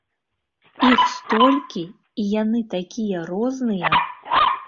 Іх столькі, і яны такія розныя!